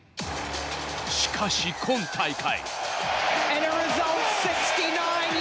しかし今大会。